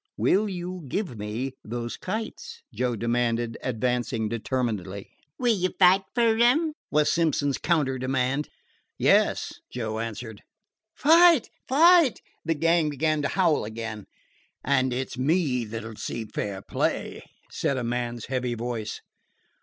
"Will you give me those kites?" Joe demanded, advancing determinedly. "Will you fight for 'em?" was Simpson's counter demand. "Yes," Joe answered. "Fight! fight!" the gang began to howl again. "And it 's me that 'll see fair play," said a man's heavy voice.